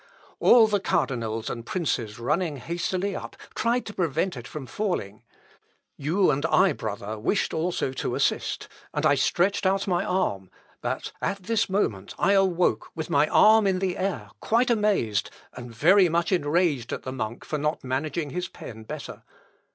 All the cardinals and princes running hastily up, tried to prevent it from falling. You and I, brother, wished also to assist, and I stretched out my arm ... but at this moment I awoke, with my arm in the air, quite amazed, and very much enraged at the monk for not managing his pen better.